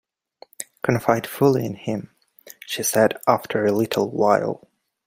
"Confide fully in him," she said after a little while.